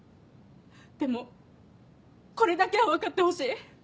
でもこれだけは分かってほしい。